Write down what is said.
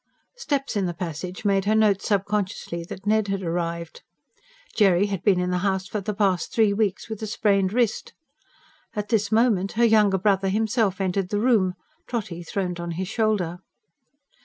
Steps in the passage made her note subconsciously that Ned had arrived Jerry had been in the house for the past three weeks, with a sprained wrist. And at this moment her younger brother himself entered the room, Trotty throned on his shoulder.